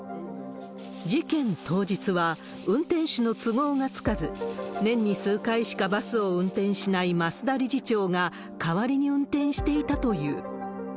事件当日は、運転手の都合がつかず、年に数回しかバスを運転しない増田理事長が、代わりに運転していたという。